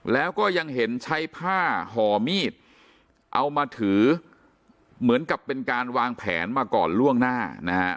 แล้วก็ยังเห็นใช้ผ้าห่อมีดเอามาถือเหมือนกับเป็นการวางแผนมาก่อนล่วงหน้านะฮะ